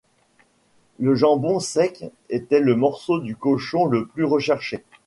Le jambon sec était le morceau du cochon le plus recherché.